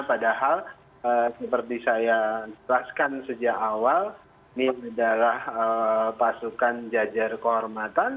padahal seperti saya jelaskan sejak awal ini adalah pasukan jajar kehormatan